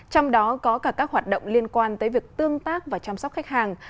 trong đó có cả các hoạt động liên quan tới việc tương tác và chăm sóc khách hàng